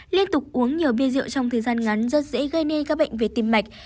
liên tục uống nhiều bia rượu trong thời gian ngắn rất dễ gây nên các bệnh về tim mạch